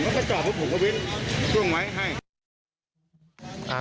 ผมก็ไปจอดเพราะผมก็วิ่งพรุ่งไว้ให้